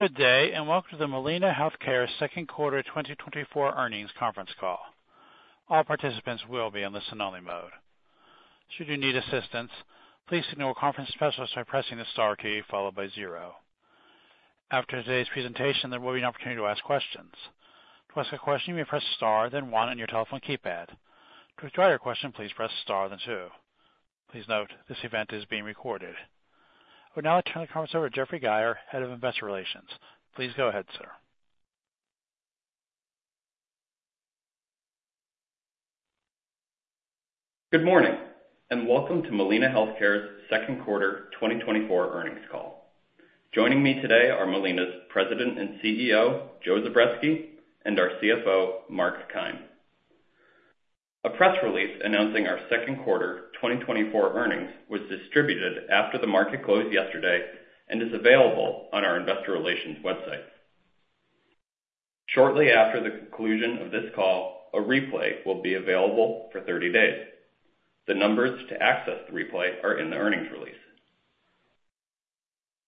Good day, and welcome to the Molina Healthcare Second Quarter 2024 Earnings Conference Call. All participants will be on listen-only mode. Should you need assistance, please signal with conference specialist by pressing the star key followed by zero. After today's presentation, there will be an opportunity to ask questions. To ask a question, you may press star then one on your telephone keypad. To withdraw your question, please press star then two. Please note, this event is being recorded. I will now turn the conference over to Jeffrey Geier, Head of Investor Relations. Please go ahead, sir. Good morning, and welcome to Molina Healthcare's Second Quarter 2024 Earnings Call. Joining me today are Molina's President and CEO, Joe Zubretsky, and our CFO, Mark Keim. A press release announcing our Second Quarter 2024 earnings was distributed after the market closed yesterday and is available on our Investor Relations website. Shortly after the conclusion of this call, a replay will be available for 30 days. The numbers to access the replay are in the earnings release.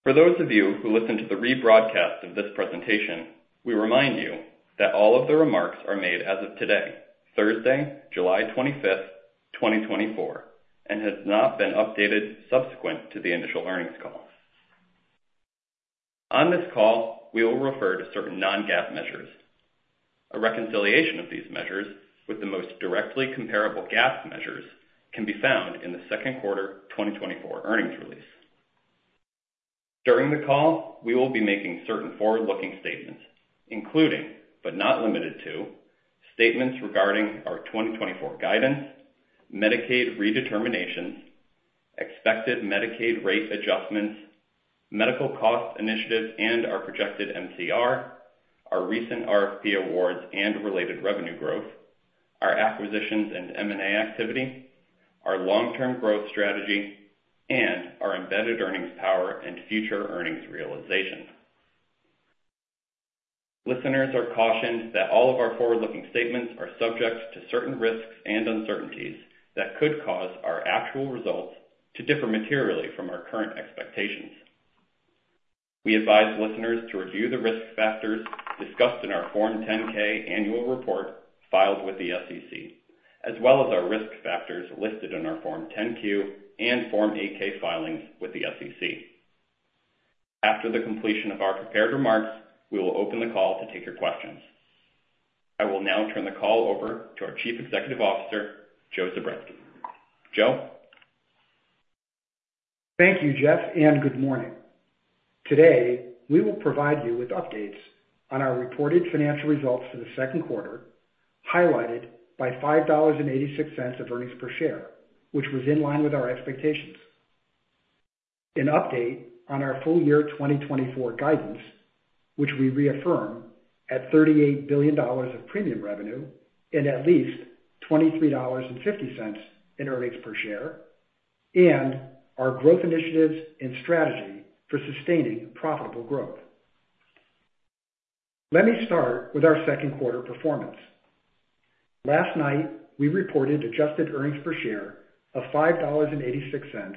For those of you who listen to the rebroadcast of this presentation, we remind you that all of the remarks are made as of today, Thursday, July 25th, 2024, and have not been updated subsequent to the initial earnings call. On this call, we will refer to certain non-GAAP measures. A reconciliation of these measures with the most directly comparable GAAP measures can be found in the Second Quarter 2024 earnings release. During the call, we will be making certain forward-looking statements, including, but not limited to, statements regarding our 2024 guidance, Medicaid redeterminations, expected Medicaid rate adjustments, medical cost initiatives and our projected MCR, our recent RFP awards and related revenue growth, our acquisitions and M&A activity, our long-term growth strategy, and our embedded earnings power and future earnings realization. Listeners are cautioned that all of our forward-looking statements are subject to certain risks and uncertainties that could cause our actual results to differ materially from our current expectations. We advise listeners to review the risk factors discussed in our Form 10-K annual report filed with the SEC, as well as our risk factors listed in our Form 10-Q and Form 8-K filings with the SEC. After the completion of our prepared remarks, we will open the call to take your questions. I will now turn the call over to our Chief Executive Officer, Joe Zubretsky. Joe? Thank you, Jeff, and good morning. Today, we will provide you with updates on our reported financial results for the second quarter, highlighted by $5.86 of earnings per share, which was in line with our expectations. An update on our full year 2024 guidance, which we reaffirm at $38 billion of premium revenue and at least $23.50 in earnings per share, and our growth initiatives and strategy for sustaining profitable growth. Let me start with our second quarter performance. Last night, we reported adjusted earnings per share of $5.86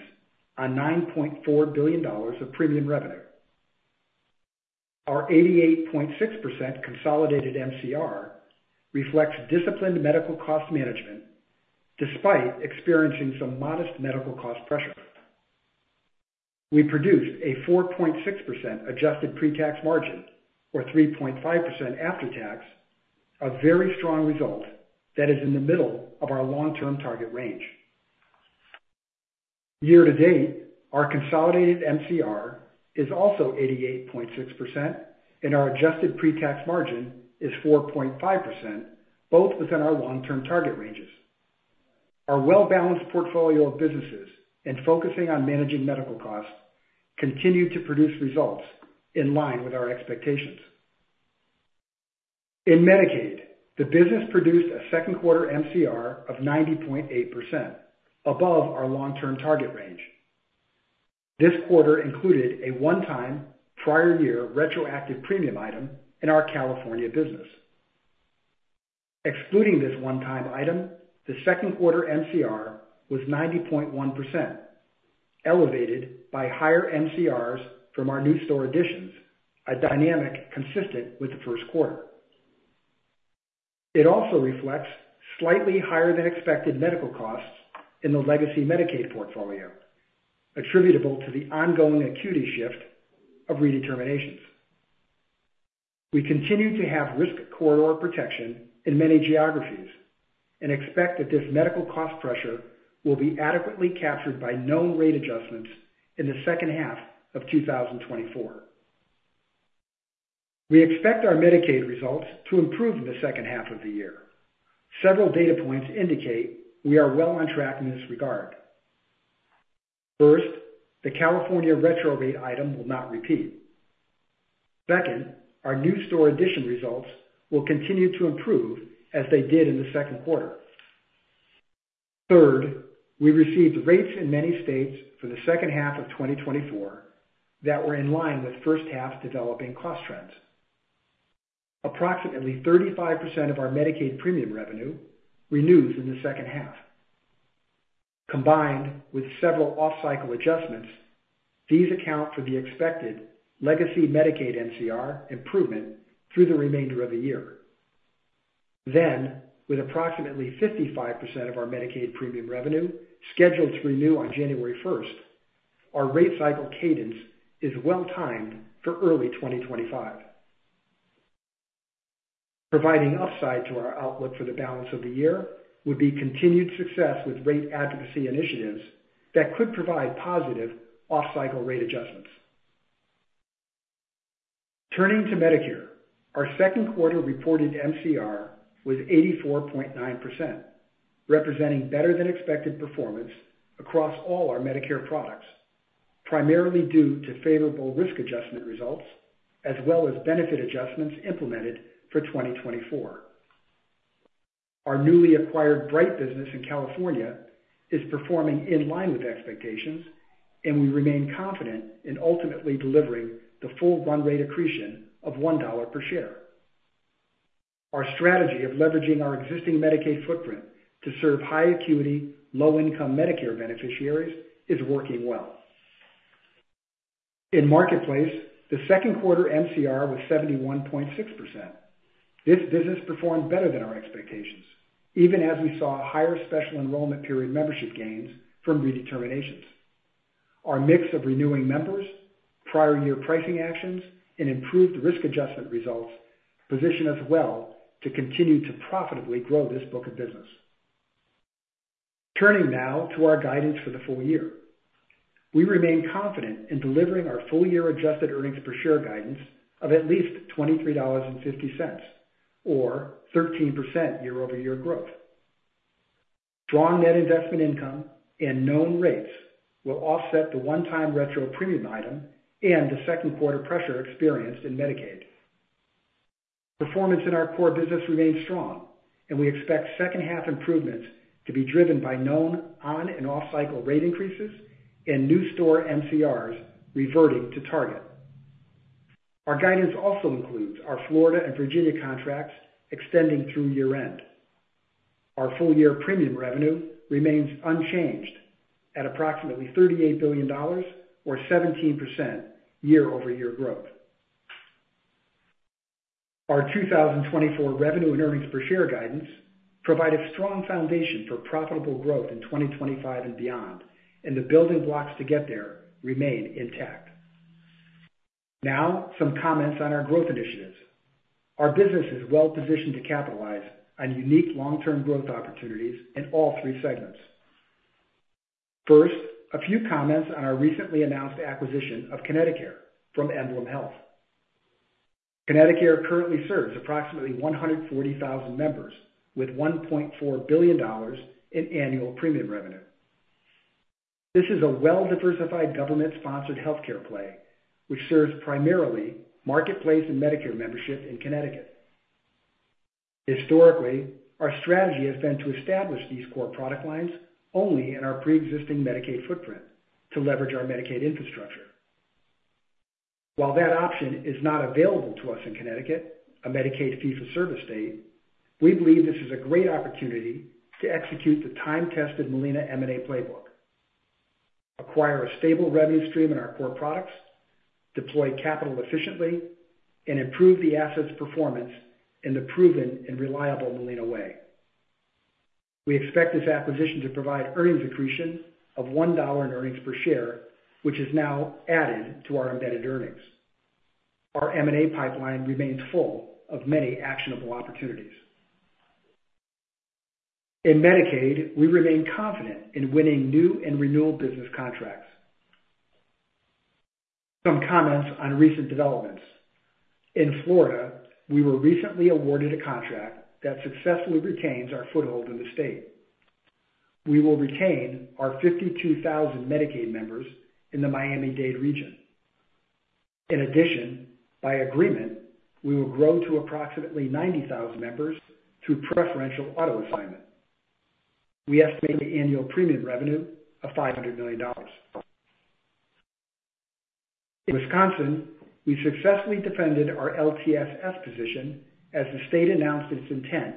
on $9.4 billion of premium revenue. Our 88.6% consolidated MCR reflects disciplined medical cost management despite experiencing some modest medical cost pressure. We produced a 4.6% adjusted pre-tax margin, or 3.5% after-tax, a very strong result that is in the middle of our long-term target range. Year to date, our consolidated MCR is also 88.6%, and our adjusted pre-tax margin is 4.5%, both within our long-term target ranges. Our well-balanced portfolio of businesses and focusing on managing medical costs continue to produce results in line with our expectations. In Medicaid, the business produced a second quarter MCR of 90.8%, above our long-term target range. This quarter included a one-time prior year retroactive premium item in our California business. Excluding this one-time item, the second quarter MCR was 90.1%, elevated by higher MCRs from our new store additions, a dynamic consistent with the first quarter. It also reflects slightly higher than expected medical costs in the legacy Medicaid portfolio, attributable to the ongoing acuity shift of redeterminations. We continue to have risk corridor protection in many geographies and expect that this medical cost pressure will be adequately captured by known rate adjustments in the second half of 2024. We expect our Medicaid results to improve in the second half of the year. Several data points indicate we are well on track in this regard. First, the California retro rate item will not repeat. Second, our new state addition results will continue to improve as they did in the second quarter. Third, we received rates in many states for the second half of 2024 that were in line with first-half developing cost trends. Approximately 35% of our Medicaid premium revenue renews in the second half. Combined with several off-cycle adjustments, these account for the expected legacy Medicaid MCR improvement through the remainder of the year. Then, with approximately 55% of our Medicaid premium revenue scheduled to renew on January 1st, our rate cycle cadence is well timed for early 2025. Providing upside to our outlook for the balance of the year would be continued success with rate advocacy initiatives that could provide positive off-cycle rate adjustments. Turning to Medicare, our second quarter reported MCR was 84.9%, representing better than expected performance across all our Medicare products, primarily due to favorable risk adjustment results as well as benefit adjustments implemented for 2024. Our newly acquired Bright business in California is performing in line with expectations, and we remain confident in ultimately delivering the full run rate accretion of $1 per share. Our strategy of leveraging our existing Medicaid footprint to serve high-acuity, low-income Medicare beneficiaries is working well. In Marketplace, the second quarter MCR was 71.6%. This business performed better than our expectations, even as we saw higher special enrollment period membership gains from redeterminations. Our mix of renewing members, prior year pricing actions, and improved risk adjustment results position us well to continue to profitably grow this book of business. Turning now to our guidance for the full year, we remain confident in delivering our full year adjusted earnings per share guidance of at least $23.50, or 13% year-over-year growth. Strong net investment income and known rates will offset the one-time retro premium item and the second quarter pressure experienced in Medicaid. Performance in our core business remains strong, and we expect second-half improvements to be driven by known on- and off-cycle rate increases and new store MCRs reverting to target. Our guidance also includes our Florida and Virginia contracts extending through year-end. Our full-year premium revenue remains unchanged at approximately $38 billion, or 17% year-over-year growth. Our 2024 revenue and earnings per share guidance provide a strong foundation for profitable growth in 2025 and beyond, and the building blocks to get there remain intact. Now, some comments on our growth initiatives. Our business is well positioned to capitalize on unique long-term growth opportunities in all three segments. First, a few comments on our recently announced acquisition of ConnectiCare from EmblemHealth. ConnectiCare currently serves approximately 140,000 members with $1.4 billion in annual premium revenue. This is a well-diversified government-sponsored healthcare play, which serves primarily Marketplace and Medicare membership in Connecticut. Historically, our strategy has been to establish these core product lines only in our pre-existing Medicaid footprint to leverage our Medicaid infrastructure. While that option is not available to us in Connecticut, a Medicaid fee-for-service state, we believe this is a great opportunity to execute the time-tested Molina M&A playbook, acquire a stable revenue stream in our core products, deploy capital efficiently, and improve the asset's performance in the proven and reliable Molina way. We expect this acquisition to provide earnings accretion of $1 in earnings per share, which is now added to our embedded earnings. Our M&A pipeline remains full of many actionable opportunities. In Medicaid, we remain confident in winning new and renewal business contracts. Some comments on recent developments. In Florida, we were recently awarded a contract that successfully retains our foothold in the state. We will retain our 52,000 Medicaid members in the Miami-Dade region. In addition, by agreement, we will grow to approximately 90,000 members through preferential auto assignment. We estimate annual premium revenue of $500 million. In Wisconsin, we successfully defended our LTSS position as the state announced its intent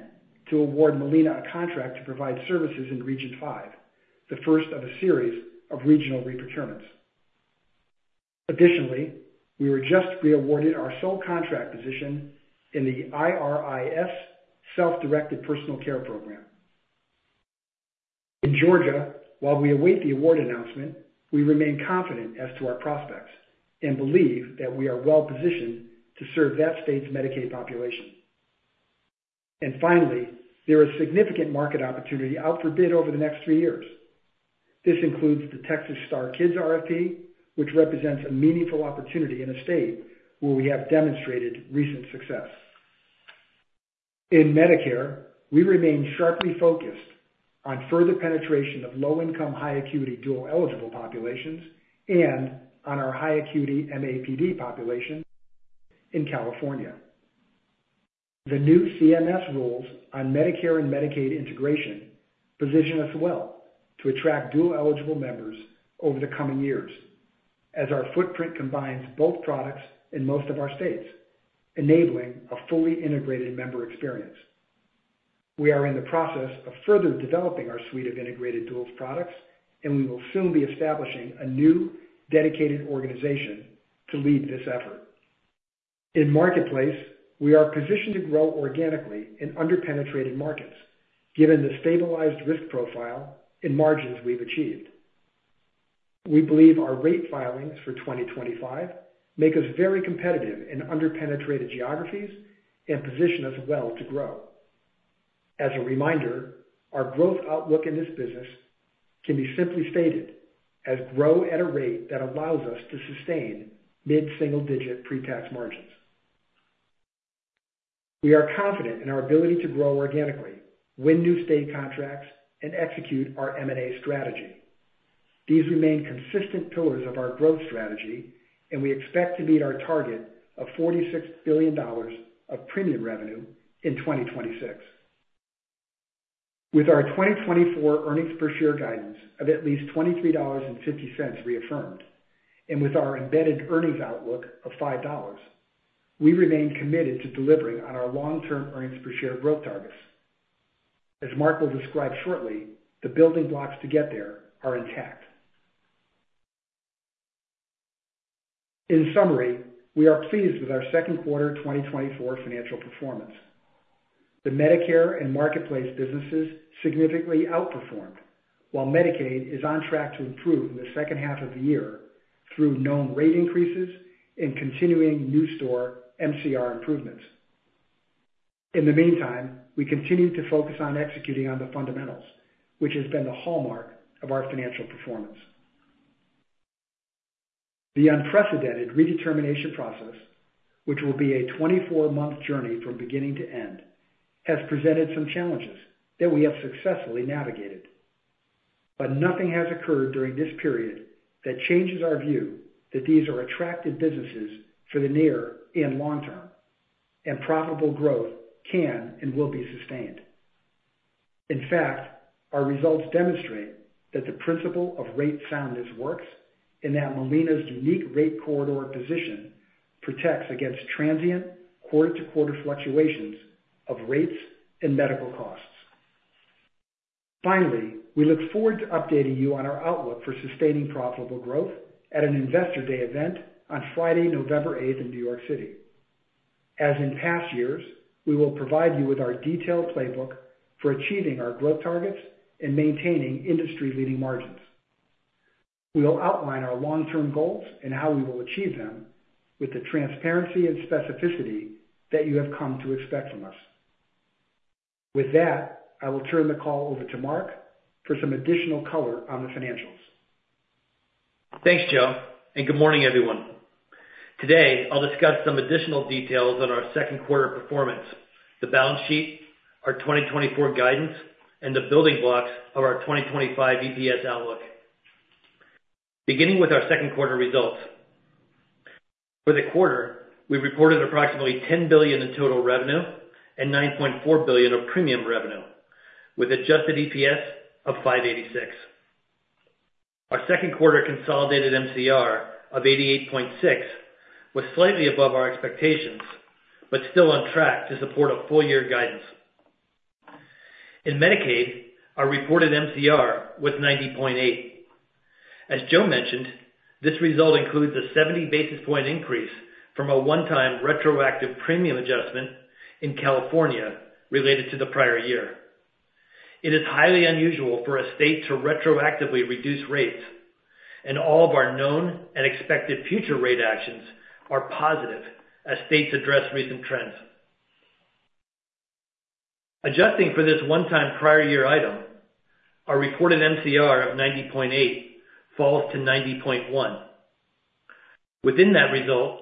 to award Molina a contract to provide services in Region 5, the first of a series of regional reprocurements. Additionally, we were just reawarded our sole contract position in the IRIS Self-Directed Personal Care Program. In Georgia, while we await the award announcement, we remain confident as to our prospects and believe that we are well positioned to serve that state's Medicaid population. Finally, there is significant market opportunity out for bid over the next three years. This includes the Texas STAR Kids RFP, which represents a meaningful opportunity in a state where we have demonstrated recent success. In Medicare, we remain sharply focused on further penetration of low-income, high-acuity dual eligible populations and on our high-acuity MAPD population in California. The new CMS rules on Medicare and Medicaid integration position us well to attract dual eligible members over the coming years as our footprint combines both products in most of our states, enabling a fully integrated member experience. We are in the process of further developing our suite of integrated dual products, and we will soon be establishing a new dedicated organization to lead this effort. In Marketplace, we are positioned to grow organically in under-penetrated markets given the stabilized risk profile and margins we've achieved. We believe our rate filings for 2025 make us very competitive in under-penetrated geographies and position us well to grow. As a reminder, our growth outlook in this business can be simply stated as grow at a rate that allows us to sustain mid-single-digit pre-tax margins. We are confident in our ability to grow organically, win new state contracts, and execute our M&A strategy. These remain consistent pillars of our growth strategy, and we expect to meet our target of $46 billion of premium revenue in 2026. With our 2024 earnings per share guidance of at least $23.50 reaffirmed, and with our embedded earnings outlook of $5, we remain committed to delivering on our long-term earnings per share growth targets. As Mark will describe shortly, the building blocks to get there are intact. In summary, we are pleased with our second quarter 2024 financial performance. The Medicare and Marketplace businesses significantly outperformed, while Medicaid is on track to improve in the second half of the year through known rate increases and continuing new store MCR improvements. In the meantime, we continue to focus on executing on the fundamentals, which has been the hallmark of our financial performance. The unprecedented redetermination process, which will be a 24-month journey from beginning to end, has presented some challenges that we have successfully navigated. But nothing has occurred during this period that changes our view that these are attractive businesses for the near and long term, and profitable growth can and will be sustained. In fact, our results demonstrate that the principle of rate soundness works and that Molina's unique rate corridor position protects against transient quarter-to-quarter fluctuations of rates and medical costs. Finally, we look forward to updating you on our outlook for sustaining profitable growth at an Investor Day event on Friday, November 8th, in New York City. As in past years, we will provide you with our detailed playbook for achieving our growth targets and maintaining industry-leading margins. We will outline our long-term goals and how we will achieve them with the transparency and specificity that you have come to expect from us. With that, I will turn the call over to Mark for some additional color on the financials. Thanks, Joe, and good morning, everyone. Today, I'll discuss some additional details on our second quarter performance, the balance sheet, our 2024 guidance, and the building blocks of our 2025 EPS outlook. Beginning with our second quarter results. For the quarter, we reported approximately $10 billion in total revenue and $9.4 billion of premium revenue, with adjusted EPS of $5.86. Our second quarter consolidated MCR of 88.6% was slightly above our expectations, but still on track to support a full year guidance. In Medicaid, our reported MCR was 90.8%. As Joe mentioned, this result includes a 70 basis point increase from a one-time retroactive premium adjustment in California related to the prior year. It is highly unusual for a state to retroactively reduce rates, and all of our known and expected future rate actions are positive as states address recent trends. Adjusting for this one-time prior year item, our reported MCR of $90.8 falls to $90.1. Within that result,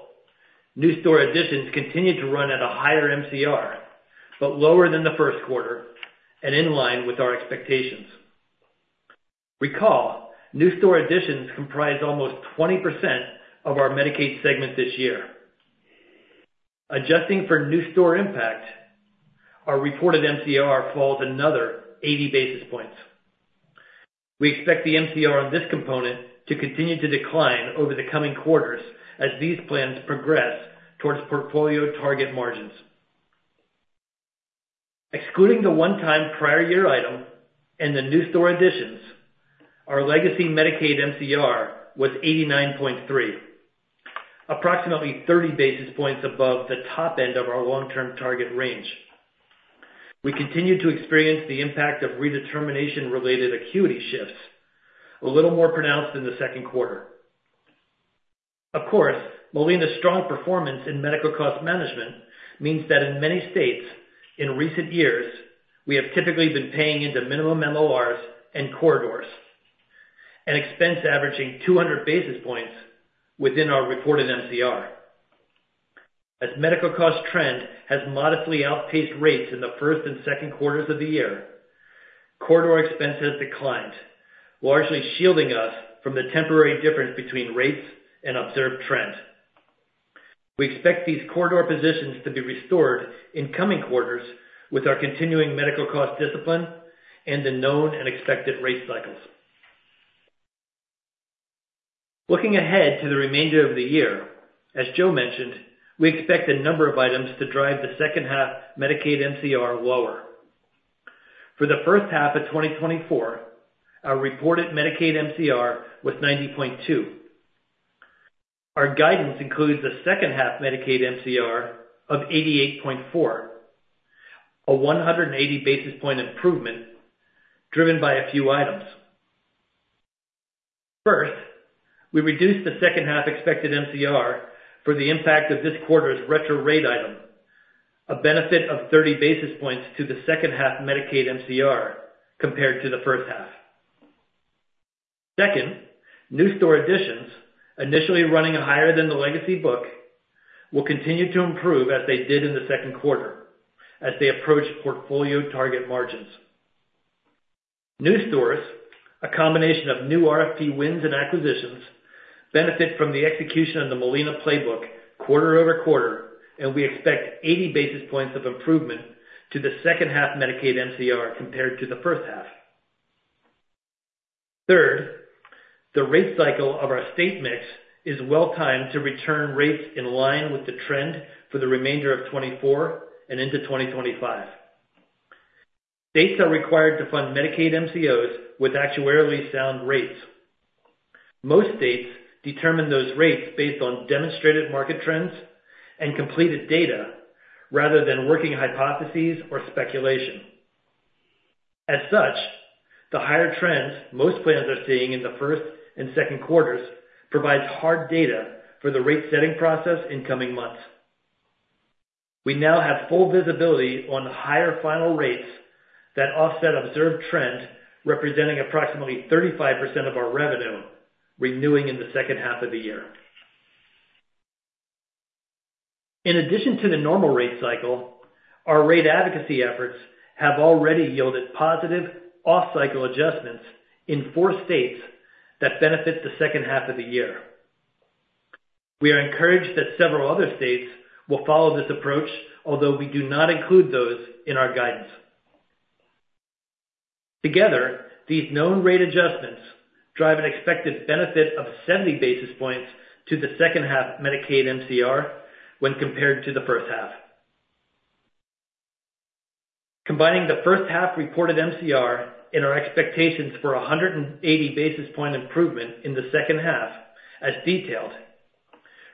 new state additions continue to run at a higher MCR, but lower than the first quarter and in line with our expectations. Recall, new state additions comprise almost 20% of our Medicaid segment this year. Adjusting for new state impact, our reported MCR falls another 80 basis points. We expect the MCR on this component to continue to decline over the coming quarters as these plans progress towards portfolio target margins. Excluding the one-time prior year item and the new store additions, our legacy Medicaid MCR was 89.3%, approximately 30 basis points above the top end of our long-term target range. We continue to experience the impact of redetermination-related acuity shifts, a little more pronounced in the second quarter. Of course, Molina's strong performance in medical cost management means that in many states, in recent years, we have typically been paying into minimum MORs and corridors, an expense averaging 200 basis points within our reported MCR. As medical cost trend has modestly outpaced rates in the first and second quarters of the year, corridor expense has declined, largely shielding us from the temporary difference between rates and observed trend. We expect these corridor positions to be restored in coming quarters with our continuing medical cost discipline and the known and expected rate cycles. Looking ahead to the remainder of the year, as Joe mentioned, we expect a number of items to drive the second-half Medicaid MCR lower. For the first half of 2024, our reported Medicaid MCR was 90.2%. Our guidance includes a second-half Medicaid MCR of 88.4%, a 180 basis point improvement driven by a few items. First, we reduced the second-half expected MCR for the impact of this quarter's retro rate item, a benefit of 30 basis points to the second-half Medicaid MCR compared to the first half. Second, new store additions, initially running higher than the legacy book, will continue to improve as they did in the second quarter as they approach portfolio target margins. New stores, a combination of new RFP wins and acquisitions, benefit from the execution of the Molina Playbook quarter over quarter, and we expect 80 basis points of improvement to the second-half Medicaid MCR compared to the first half. Third, the rate cycle of our state mix is well timed to return rates in line with the trend for the remainder of 2024 and into 2025. States are required to fund Medicaid MCOs with actuarially sound rates. Most states determine those rates based on demonstrated market trends and completed data rather than working hypotheses or speculation. As such, the higher trends most plans are seeing in the first and second quarters provides hard data for the rate-setting process in coming months. We now have full visibility on the higher final rates that offset observed trend representing approximately 35% of our revenue renewing in the second half of the year. In addition to the normal rate cycle, our rate advocacy efforts have already yielded positive off-cycle adjustments in four states that benefit the second half of the year. We are encouraged that several other states will follow this approach, although we do not include those in our guidance. Together, these known rate adjustments drive an expected benefit of 70 basis points to the second-half Medicaid MCR when compared to the first half. Combining the first-half reported MCR and our expectations for a 180 basis point improvement in the second half, as detailed,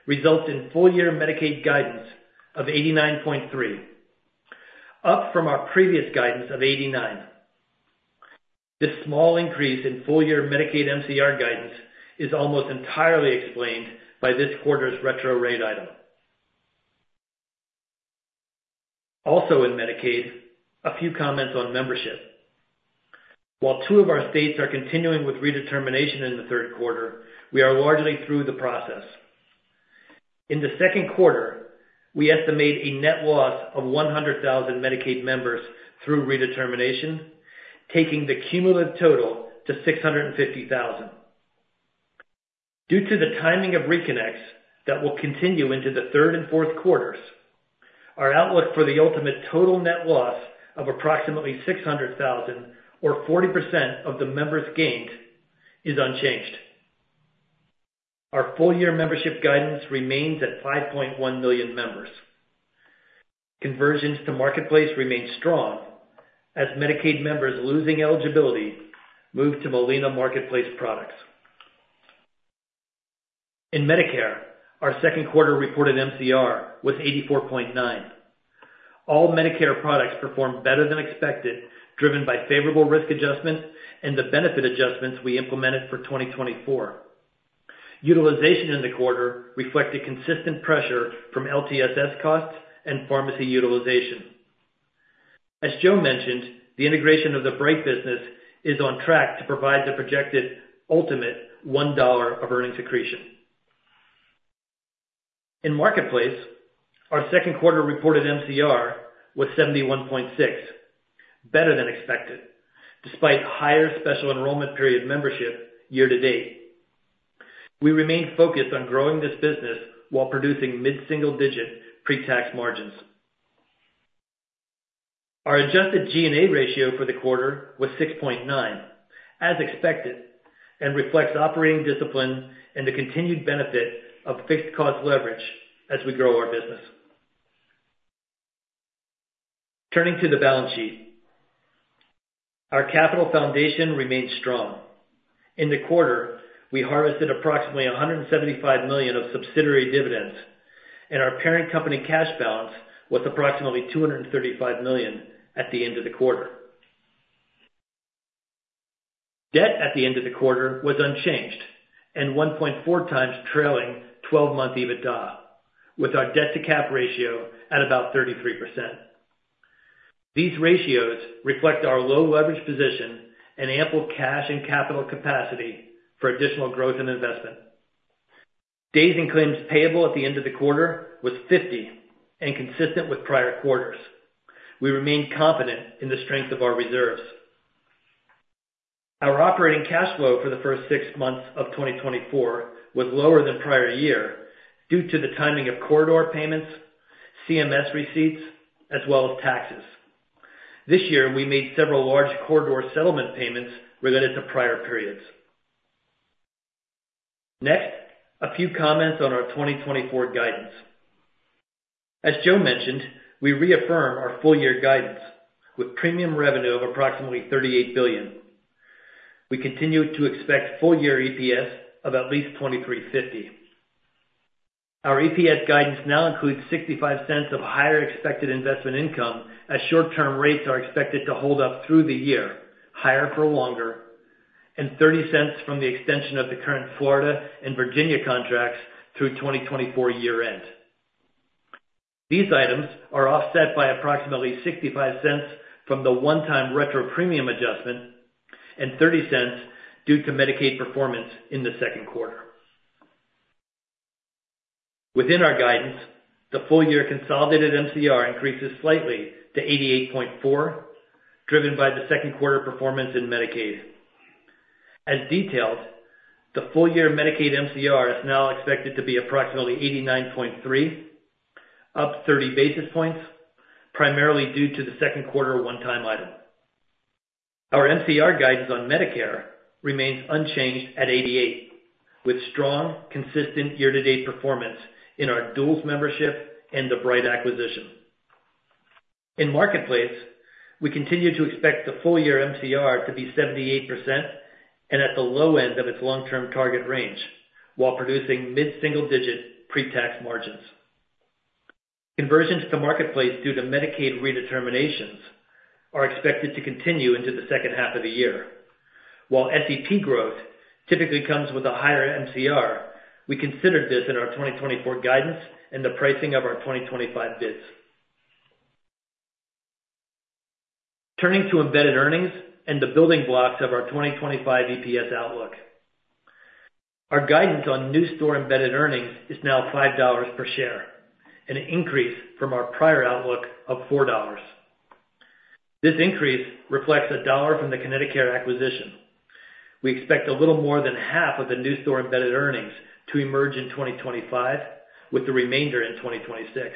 results in full year Medicaid guidance of $89.3, up from our previous guidance of $89. This small increase in full year Medicaid MCR guidance is almost entirely explained by this quarter's retro rate item. Also in Medicaid, a few comments on membership. While two of our states are continuing with Redetermination in the third quarter, we are largely through the process. In the second quarter, we estimate a net loss of 100,000 Medicaid members through Redetermination, taking the cumulative total to 650,000. Due to the timing of reconnects that will continue into the third and fourth quarters, our outlook for the ultimate total net loss of approximately 600,000, or 40% of the members gained, is unchanged. Our full year membership guidance remains at 5.1 million members. Conversions to Marketplace remain strong as Medicaid members losing eligibility move to Molina Marketplace products. In Medicare, our second quarter reported MCR was 84.9%. All Medicare products performed better than expected, driven by favorable risk adjustment and the benefit adjustments we implemented for 2024. Utilization in the quarter reflected consistent pressure from LTSS costs and pharmacy utilization. As Joe mentioned, the integration of the Bright business is on track to provide the projected ultimate $1 of earnings accretion. In Marketplace, our second quarter reported MCR was 71.6%, better than expected, despite higher special enrollment period membership year to date. We remain focused on growing this business while producing mid-single-digit pre-tax margins. Our adjusted G&A ratio for the quarter was 6.9%, as expected, and reflects operating discipline and the continued benefit of fixed cost leverage as we grow our business. Turning to the balance sheet, our capital foundation remains strong. In the quarter, we harvested approximately $175 million of subsidiary dividends, and our parent company cash balance was approximately $235 million at the end of the quarter. Debt at the end of the quarter was unchanged and 1.4 times trailing 12-month EBITDA, with our debt-to-cap ratio at about 33%. These ratios reflect our low leverage position and ample cash and capital capacity for additional growth and investment. Days in claims payable at the end of the quarter was 50 and consistent with prior quarters. We remain confident in the strength of our reserves. Our operating cash flow for the first six months of 2024 was lower than prior year due to the timing of corridor payments, CMS receipts, as well as taxes. This year, we made several large corridor settlement payments related to prior periods. Next, a few comments on our 2024 guidance. As Joe mentioned, we reaffirm our full year guidance with premium revenue of approximately $38 billion. We continue to expect full year EPS of at least $23.50. Our EPS guidance now includes $0.65 of higher expected investment income as short-term rates are expected to hold up through the year, higher for longer, and $0.30 from the extension of the current Florida and Virginia contracts through 2024 year-end. These items are offset by approximately $0.65 from the one-time retro premium adjustment and $0.30 due to Medicaid performance in the second quarter. Within our guidance, the full year consolidated MCR increases slightly to $88.4, driven by the second quarter performance in Medicaid. As detailed, the full year Medicaid MCR is now expected to be approximately $89.3, up 30 basis points, primarily due to the second quarter one-time item. Our MCR guidance on Medicare remains unchanged at $88, with strong, consistent year-to-date performance in our dual membership and the Bright acquisition. In Marketplace, we continue to expect the full year MCR to be 78% and at the low end of its long-term target range while producing mid-single-digit pre-tax margins. Conversions to Marketplace due to Medicaid redeterminations are expected to continue into the second half of the year. While SEP growth typically comes with a higher MCR, we considered this in our 2024 guidance and the pricing of our 2025 bids. Turning to embedded earnings and the building blocks of our 2025 EPS outlook. Our guidance on new store embedded earnings is now $5 per share, an increase from our prior outlook of $4. This increase reflects $1 from the Connecticut acquisition. We expect a little more than half of the new store embedded earnings to emerge in 2025, with the remainder in 2026.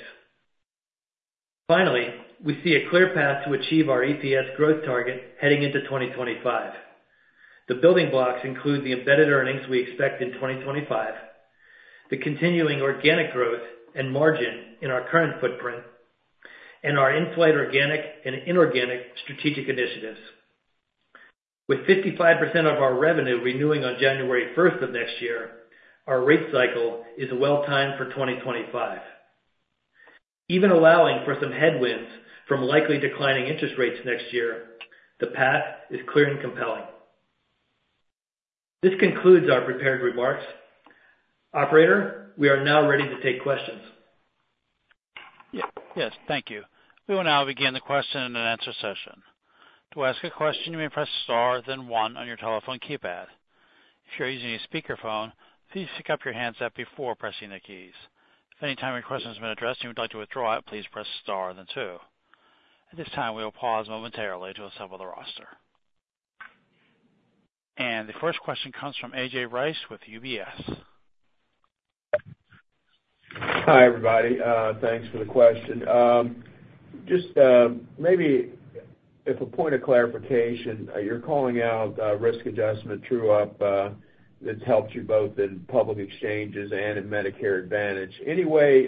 Finally, we see a clear path to achieve our EPS growth target heading into 2025. The building blocks include the embedded earnings we expect in 2025, the continuing organic growth and margin in our current footprint, and our insight, organic and inorganic strategic initiatives. With 55% of our revenue renewing on January 1st of next year, our rate cycle is well timed for 2025. Even allowing for some headwinds from likely declining interest rates next year, the path is clear and compelling. This concludes our prepared remarks. Operator, we are now ready to take questions. Yes, thank you. We will now begin the question and answer session. To ask a question, you may press star then one on your telephone keypad. If you're using a speakerphone, please pick up the handset before pressing the keys. At any time your question has been addressed and you would like to withdraw it, please press star then two. At this time, we will pause momentarily to assemble the roster. And the first question comes from A.J. Rice with UBS. Hi everybody. Thanks for the question. Just maybe as a point of clarification, you're calling out risk adjustment true-up that's helped you both in public exchanges and in Medicare Advantage. Any way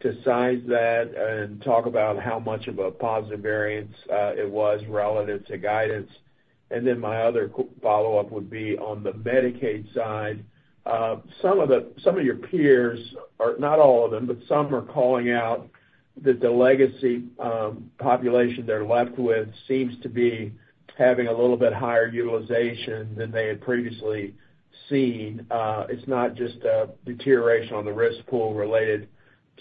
to size that and talk about how much of a positive variance it was relative to guidance? And then my other follow-up would be on the Medicaid side. Some of your peers, not all of them, but some are calling out that the legacy population they're left with seems to be having a little bit higher utilization than they had previously seen. It's not just a deterioration on the risk pool related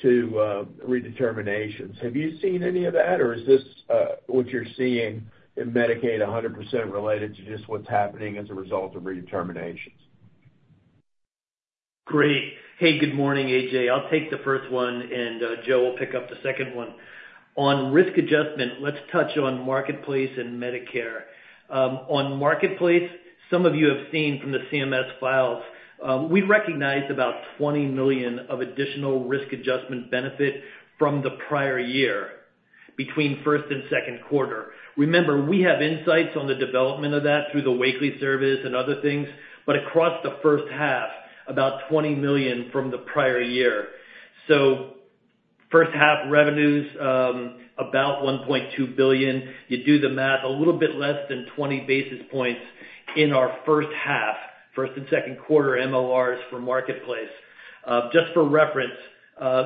to redeterminations. Have you seen any of that, or is this what you're seeing in Medicaid 100% related to just what's happening as a result of redeterminations? Great. Hey, good morning, A.J. I'll take the first one, and Joe will pick up the second one. On risk adjustment, let's touch on Marketplace and Medicare. On Marketplace, some of you have seen from the CMS files, we recognized about $20 million of additional risk adjustment benefit from the prior year between first and second quarter. Remember, we have insights on the development of that through the Wakely service and other things, but across the first half, about $20 million from the prior year. So first half revenues, about $1.2 billion. You do the math, a little bit less than 20 basis points in our first half, first and second quarter MCRs for Marketplace. Just for reference,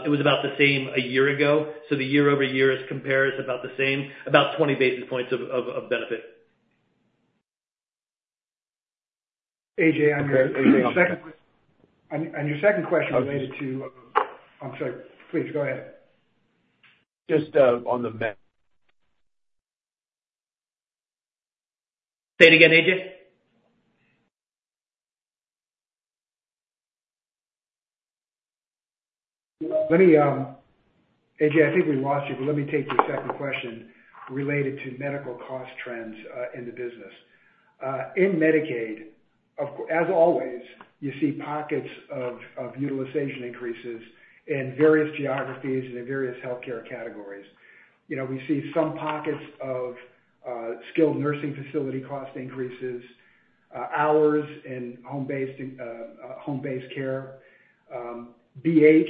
it was about the same a year ago. So the year-over-year compare is about the same, about 20 basis points of benefit. A.J., on your second question related to, I'm sorry, please go ahead. Just on the, say it again, A.J. A.J., I think we lost you, but let me take your second question related to medical cost trends in the business. In Medicaid, as always, you see pockets of utilization increases in various geographies and in various healthcare categories. We see some pockets of skilled nursing facility cost increases, hours in home-based care. BH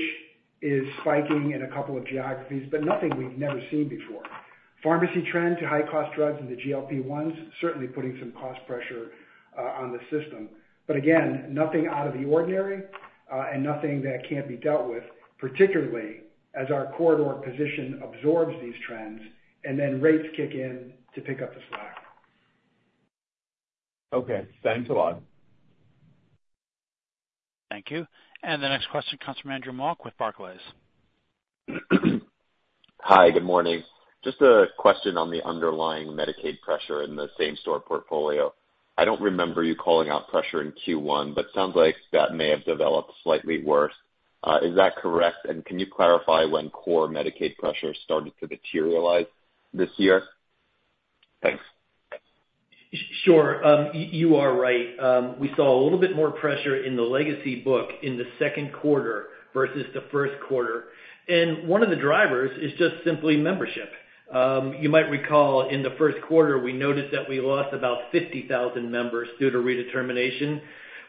is spiking in a couple of geographies, but nothing we've never seen before. Pharmacy trend to high-cost drugs in the GLP-1s certainly putting some cost pressure on the system. But again, nothing out of the ordinary and nothing that can't be dealt with, particularly as our corridor position absorbs these trends and then rates kick in to pick up the slack. Okay. Thanks a lot. Thank you. And the next question comes from Andrew Mok with Barclays. Hi, good morning. Just a question on the underlying Medicaid pressure in the same store portfolio. I don't remember you calling out pressure in Q1, but it sounds like that may have developed slightly worse. Is that correct? And can you clarify when core Medicaid pressure started to materialize this year? Thanks. Sure. You are right. We saw a little bit more pressure in the legacy book in the second quarter versus the first quarter. And one of the drivers is just simply membership. You might recall in the first quarter, we noticed that we lost about 50,000 members due to redetermination.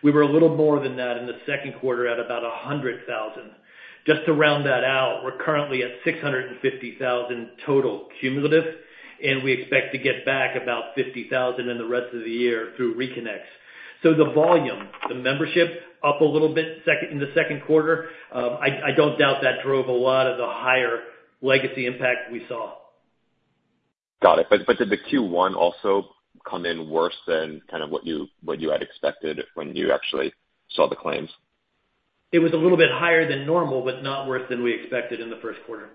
We were a little more than that in the second quarter at about 100,000. Just to round that out, we're currently at 650,000 total cumulative, and we expect to get back about 50,000 in the rest of the year through reconnects. So the volume, the membership up a little bit in the second quarter. I don't doubt that drove a lot of the higher legacy impact we saw. Got it. But did the Q1 also come in worse than kind of what you had expected when you actually saw the claims? It was a little bit higher than normal, but not worse than we expected in the first quarter.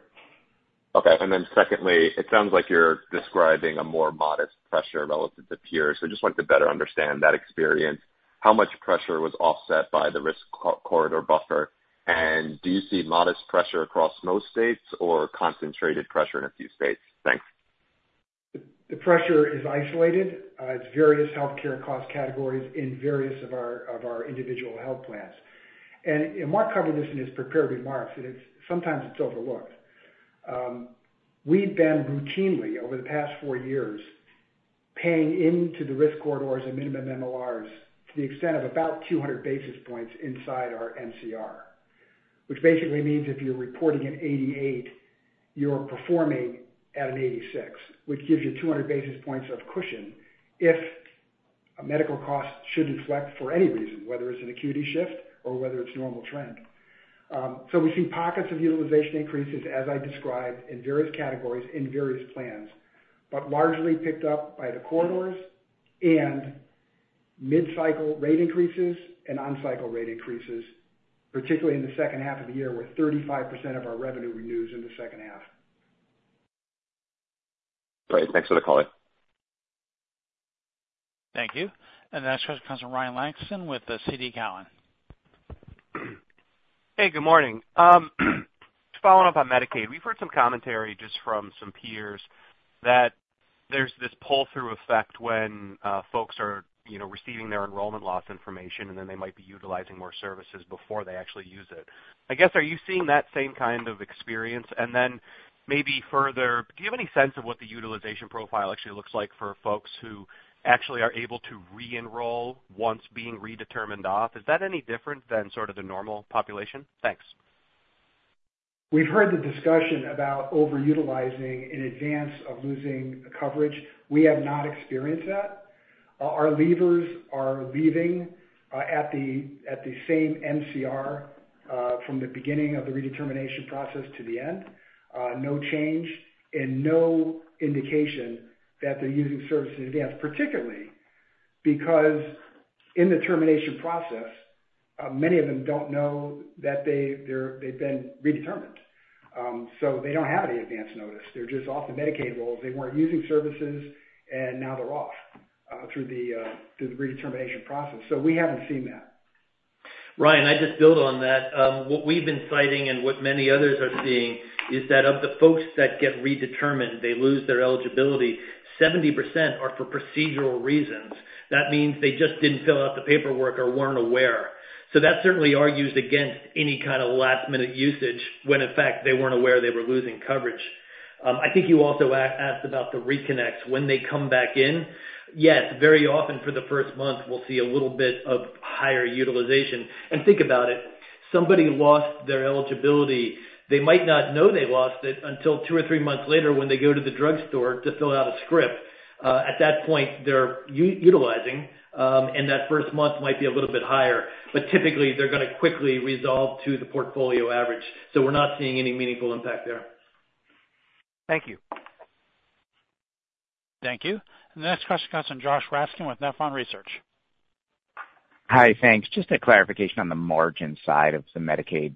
Okay. And then secondly, it sounds like you're describing a more modest pressure relative to peers. So I just wanted to better understand that experience. How much pressure was offset by the risk corridor buffer? Do you see modest pressure across most states or concentrated pressure in a few states? Thanks. The pressure is isolated. It's various healthcare cost categories in various of our individual health plans. Mark covered this in his prepared remarks, and sometimes it's overlooked. We've been routinely over the past four years paying into the risk corridors and minimum MORs to the extent of about 200 basis points inside our MCR, which basically means if you're reporting an 88, you're performing at an 86, which gives you 200 basis points of cushion if a medical cost should inflect for any reason, whether it's an acuity shift or whether it's normal trend. So we see pockets of utilization increases, as I described, in various categories, in various plans, but largely picked up by the corridors and mid-cycle rate increases and on-cycle rate increases, particularly in the second half of the year where 35% of our revenue renews in the second half. Great. Thanks for the calling. Thank you. And the next question comes from Ryan Langston with TD Cowen. Hey, good morning. Following up on Medicaid, we've heard some commentary just from some peers that there's this pull-through effect when folks are receiving their enrollment loss information, and then they might be utilizing more services before they actually use it. I guess, are you seeing that same kind of experience? And then maybe further, do you have any sense of what the utilization profile actually looks like for folks who actually are able to re-enroll once being redetermined off? Is that any different than sort of the normal population? Thanks. We've heard the discussion about overutilizing in advance of losing coverage. We have not experienced that. Our levers are leaving at the same MCR from the beginning of the redetermination process to the end. No change and no indication that they're using services in advance, particularly because in the termination process, many of them don't know that they've been redetermined. So they don't have any advance notice. They're just off the Medicaid rolls. They weren't using services, and now they're off through the redetermination process. So we haven't seen that. Ryan, I just build on that. What we've been citing and what many others are seeing is that of the folks that get redetermined, they lose their eligibility. 70% are for procedural reasons. That means they just didn't fill out the paperwork or weren't aware. So that certainly argues against any kind of last-minute usage when, in fact, they weren't aware they were losing coverage. I think you also asked about the reconnects. When they come back in, yes, very often for the first month, we'll see a little bit of higher utilization. And think about it. Somebody lost their eligibility. They might not know they lost it until two or three months later when they go to the drugstore to fill out a script. At that point, they're utilizing, and that first month might be a little bit higher. But typically, they're going to quickly resolve to the portfolio average. So we're not seeing any meaningful impact there. Thank you. Thank you. And the next question comes from Josh Raskin with Nephron Research. Hi, thanks. Just a clarification on the margin side of the Medicaid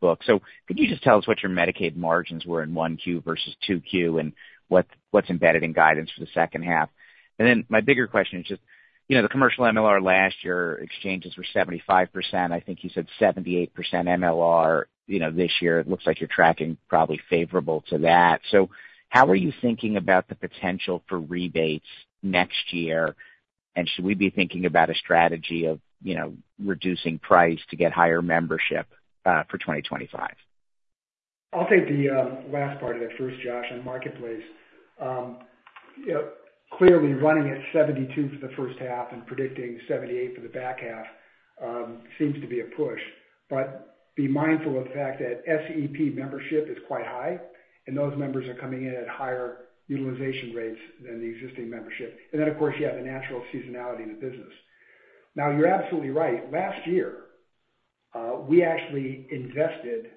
book. So could you just tell us what your Medicaid margins were in 1Q versus 2Q and what's embedded in guidance for the second half? And then my bigger question is just the commercial MLR last year, exchanges were 75%. I think you said 78% MLR this year. It looks like you're tracking probably favorable to that. So how are you thinking about the potential for rebates next year? And should we be thinking about a strategy of reducing price to get higher membership for 2025? I'll take the last part of it first, Josh. On Marketplace, clearly running at 72% for the first half and predicting 78% for the back half seems to be a push. But be mindful of the fact that SEP membership is quite high, and those members are coming in at higher utilization rates than the existing membership. Then, of course, you have the natural seasonality of the business. Now, you're absolutely right. Last year, we actually invested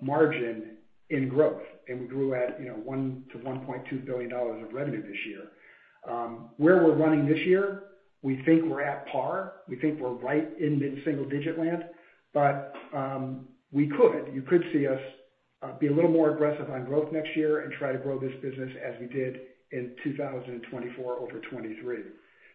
margin in growth, and we grew at $1 billion-$1.2 billion of revenue this year. Where we're running this year, we think we're at par. We think we're right in mid-single-digit land, but we could see us be a little more aggressive on growth next year and try to grow this business as we did in 2024 over 2023.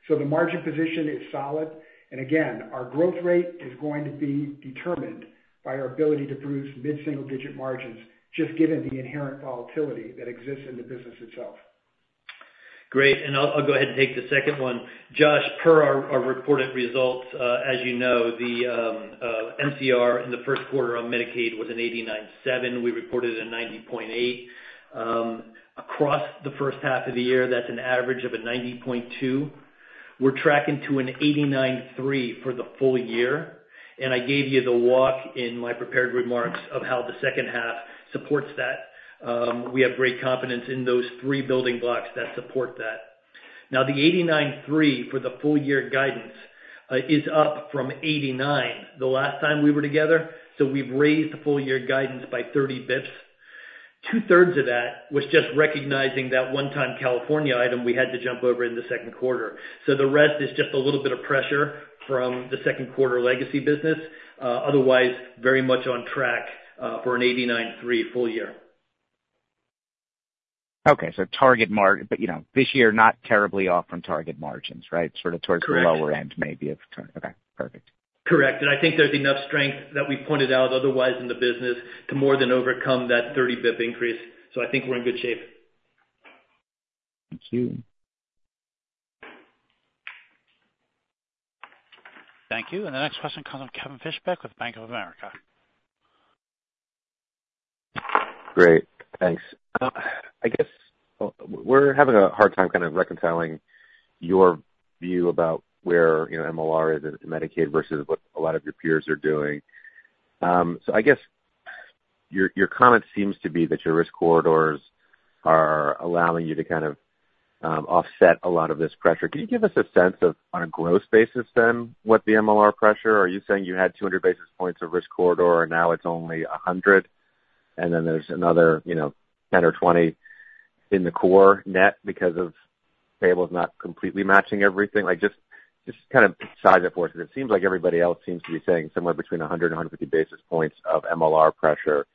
So the margin position is solid. And again, our growth rate is going to be determined by our ability to produce mid-single-digit margins just given the inherent volatility that exists in the business itself. Great. And I'll go ahead and take the second one. Josh, per our reported results, as you know, the MCR in the first quarter on Medicaid was an 89.7. We reported a 90.8. Across the first half of the year, that's an average of a 90.2. We're tracking to an 89.3 for the full year. I gave you the walk in my prepared remarks of how the second half supports that. We have great confidence in those three building blocks that support that. Now, the 89.3 for the full-year guidance is up from 89 the last time we were together. We've raised the full-year guidance by 30 bips. Two-thirds of that was just recognizing that one-time California item we had to jump over in the second quarter. The rest is just a little bit of pressure from the second quarter legacy business. Otherwise, very much on track for an 89.3 full year. Okay. Target margin, but this year, not terribly off from target margins, right? Sort of towards the lower end maybe of target. Okay. Perfect. Correct. I think there's enough strength that we've pointed out otherwise in the business to more than overcome that 30 basis point increase. So I think we're in good shape. Thank you. Thank you. The next question comes from Kevin Fischbeck with Bank of America. Great. Thanks. I guess we're having a hard time kind of reconciling your view about where MLR is in Medicaid versus what a lot of your peers are doing. So I guess your comment seems to be that your risk corridors are allowing you to kind of offset a lot of this pressure. Can you give us a sense of, on a growth basis then, what the MLR pressure is? Are you saying you had 200 basis points of risk corridor, and now it's only 100? And then there's another 10 or 20 in the core net because of payables not completely matching everything? Just kind of size it for us. It seems like everybody else seems to be saying somewhere between 100 and 150 basis points of MLR pressure.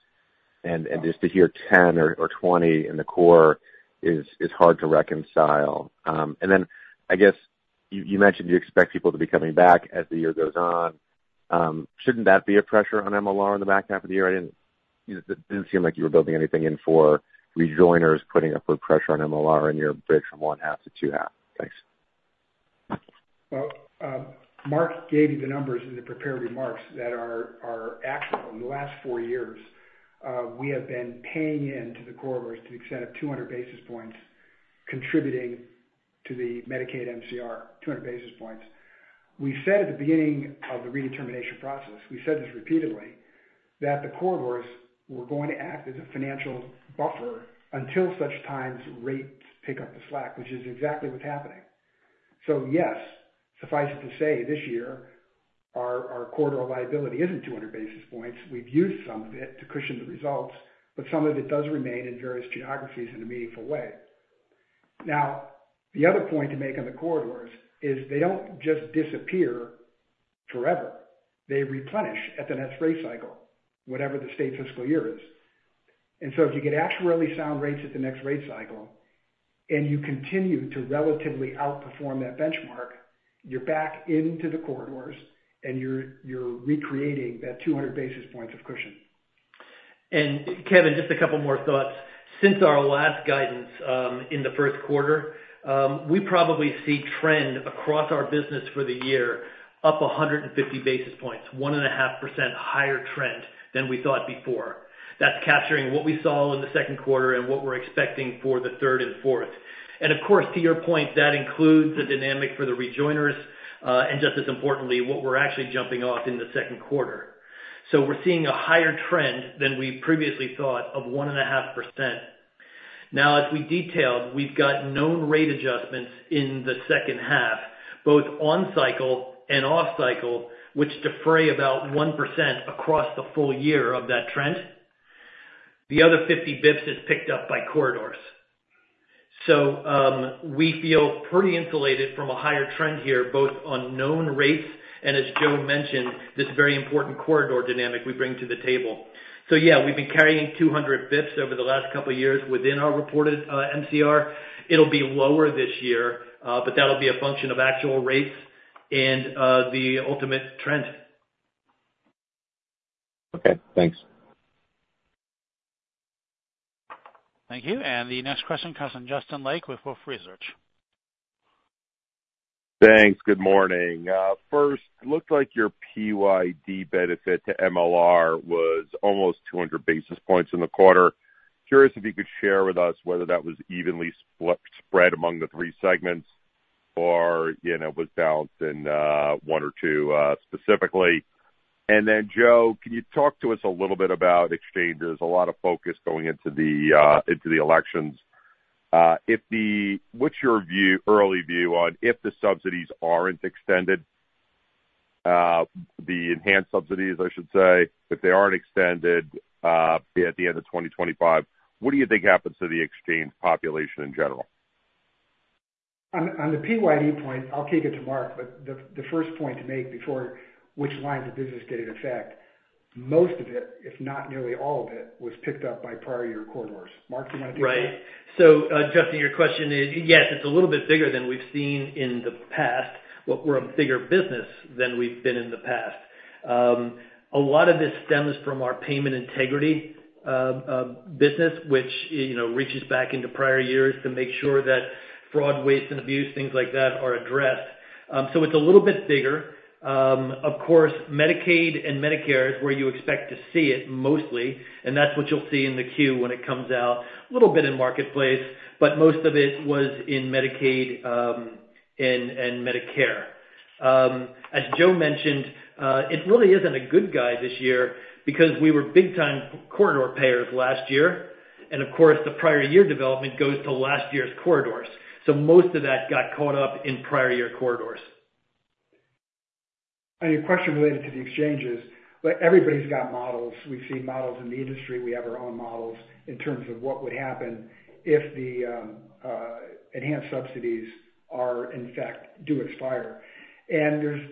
And just to hear 10 or 20 in the core is hard to reconcile. And then I guess you mentioned you expect people to be coming back as the year goes on. Shouldn't that be a pressure on MLR in the back half of the year? It didn't seem like you were building anything in for rejoiners putting upward pressure on MLR in your bridge from one-half to two-half. Thanks. Mark gave you the numbers in the prepared remarks that are actual in the last four years. We have been paying into the corridors to the extent of 200 basis points contributing to the Medicaid MCR, 200 basis points. We said at the beginning of the redetermination process, we said this repeatedly, that the corridors were going to act as a financial buffer until such times rates pick up the slack, which is exactly what's happening. So yes, suffice it to say, this year, our corridor liability isn't 200 basis points. We've used some of it to cushion the results, but some of it does remain in various geographies in a meaningful way. Now, the other point to make on the corridors is they don't just disappear forever. They replenish at the next rate cycle, whatever the state fiscal year is. And so if you get actually sound rates at the next rate cycle and you continue to relatively outperform that benchmark, you're back into the corridors and you're recreating that 200 basis points of cushion. And Kevin, just a couple more thoughts. Since our last guidance in the first quarter, we probably see trend across our business for the year up 150 basis points, 1.5% higher trend than we thought before. That's capturing what we saw in the second quarter and what we're expecting for the third and fourth. And of course, to your point, that includes the dynamic for the rejoiners and just as importantly, what we're actually jumping off in the second quarter. So we're seeing a higher trend than we previously thought of 1.5%. Now, as we detailed, we've got known rate adjustments in the second half, both on-cycle and off-cycle, which defray about 1% across the full year of that trend. The other 50 basis points is picked up by corridors. So we feel pretty insulated from a higher trend here, both on known rates and, as Joe mentioned, this very important corridor dynamic we bring to the table. So yeah, we've been carrying 200 bips over the last couple of years within our reported MCR. It'll be lower this year, but that'll be a function of actual rates and the ultimate trend. Okay. Thanks. Thank you. And the next question comes from Justin Lake with Wolfe Research. Thanks. Good morning. First, it looked like your PYD benefit to MLR was almost 200 basis points in the quarter. Curious if you could share with us whether that was evenly spread among the three segments or was balanced in one or two specifically. And then, Joe, can you talk to us a little bit about exchanges? A lot of focus going into the elections. What's your early view on if the subsidies aren't extended, the enhanced subsidies, I should say, if they aren't extended at the end of 2025? What do you think happens to the exchange population in general? On the PYD point, I'll keep it to Mark, but the first point to make before which lines of business get in effect, most of it, if not nearly all of it, was picked up by prior year corridors. Mark, do you want to take that? Right. So Justin, your question is, yes, it's a little bit bigger than we've seen in the past. We're a bigger business than we've been in the past. A lot of this stems from our payment integrity business, which reaches back into prior years to make sure that fraud, waste, and abuse, things like that are addressed. So it's a little bit bigger. Of course, Medicaid and Medicare is where you expect to see it mostly, and that's what you'll see in the Q when it comes out, a little bit in Marketplace, but most of it was in Medicaid and Medicare. As Joe mentioned, it really isn't a good guide this year because we were big-time corridor payers last year. And of course, the prior year development goes to last year's corridors. So most of that got caught up in prior year corridors. On your question related to the exchanges, everybody's got models. We've seen models in the industry. We have our own models in terms of what would happen if the enhanced subsidies are, in fact, do expire. And there's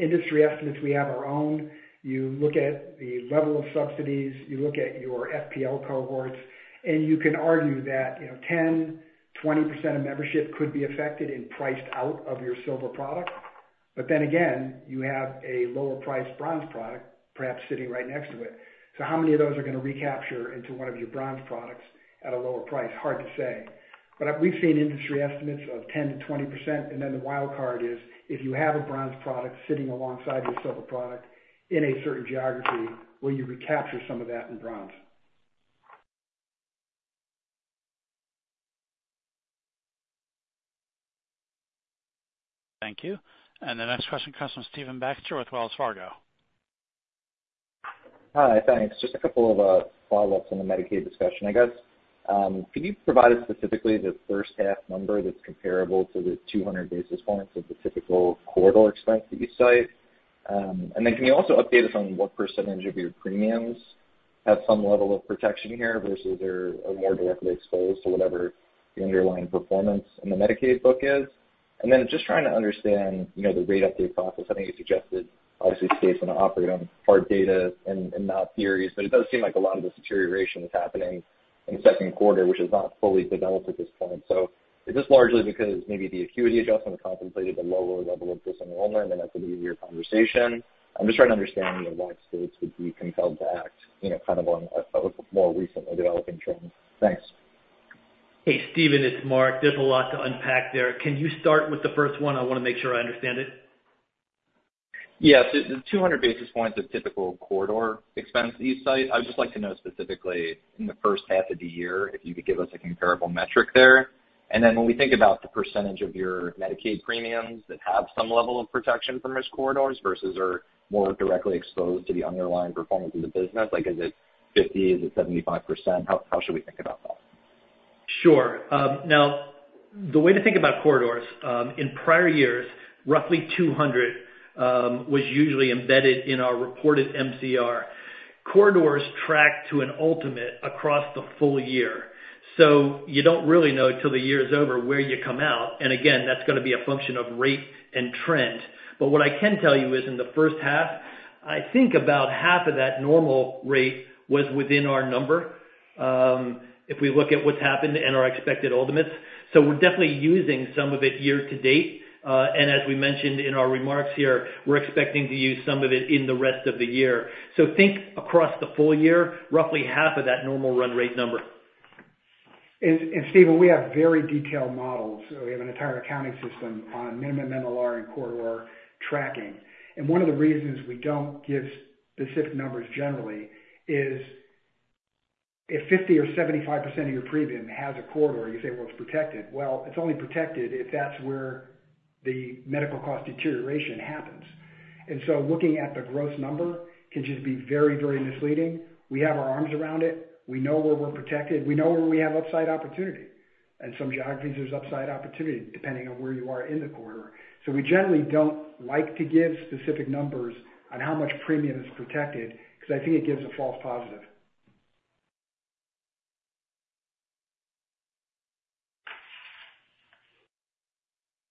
industry estimates. We have our own. You look at the level of subsidies, you look at your FPL cohorts, and you can argue that 10%-20% of membership could be affected and priced out of your silver product. But then again, you have a lower-priced bronze product perhaps sitting right next to it. So how many of those are going to recapture into one of your bronze products at a lower price? Hard to say. But we've seen industry estimates of 10%-20%. And then the wild card is if you have a bronze product sitting alongside your silver product in a certain geography, will you recapture some of that in bronze? Thank you. And the next question comes from Stephen Baxter with Wells Fargo. Hi, thanks. Just a couple of follow-ups on the Medicaid discussion, I guess. Can you provide us specifically the first-half number that's comparable to the 200 basis points of the typical corridor expense that you cite? And then can you also update us on what percentage of your premiums have some level of protection here versus are more directly exposed to whatever the underlying performance in the Medicaid book is? And then just trying to understand the rate update process. I think you suggested, obviously, states are going to operate on hard data and not theories, but it does seem like a lot of the deterioration is happening in the second quarter, which is not fully developed at this point. So is this largely because maybe the acuity adjustment contemplated a lower level of disenrollment, and that's an easier conversation? I'm just trying to understand why states would be compelled to act kind of on a more recently developing trend. Thanks. Hey, Steven, it's Mark. There's a lot to unpack there. Can you start with the first one? I want to make sure I understand it. Yeah. So the 200 basis points of typical corridor expense that you cite, I would just like to know specifically in the first half of the year if you could give us a comparable metric there. And then when we think about the percentage of your Medicaid premiums that have some level of protection from risk corridors versus are more directly exposed to the underlying performance of the business, like is it 50? Is it 75%? How should we think about that? Sure. Now, the way to think about corridors, in prior years, roughly 200 was usually embedded in our reported MCR. Corridors track to an ultimate across the full year. So you don't really know until the year is over where you come out. And again, that's going to be a function of rate and trend. But what I can tell you is in the first half, I think about half of that normal rate was within our number if we look at what's happened and our expected ultimates. So we're definitely using some of it year to date. And as we mentioned in our remarks here, we're expecting to use some of it in the rest of the year. So think across the full year, roughly half of that normal run rate number. And Steven, we have very detailed models. We have an entire accounting system on minimum MLR and corridor tracking. And one of the reasons we don't give specific numbers generally is if 50% or 75% of your premium has a corridor, you say, "Well, it's protected." Well, it's only protected if that's where the medical cost deterioration happens. And so looking at the gross number can just be very, very misleading. We have our arms around it. We know where we're protected. We know where we have upside opportunity. In some geographies, there's upside opportunity depending on where you are in the quarter. So we generally don't like to give specific numbers on how much premium is protected because I think it gives a false positive.